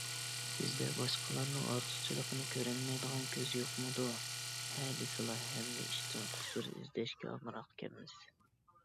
بىزدە باشقىلارنىڭ ئارتۇقچىلىقىنى كۆرەلەيدىغان كۆز يوقمىدۇ؟ ھە دېسىلا ھەممە ئىشتىن قۇسۇر ئىزدەشكە ئامراقكەنمىز.